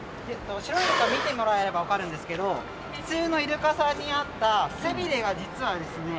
シロイルカ見てもらえればわかるんですけど普通のイルカさんにあった背びれが実はですね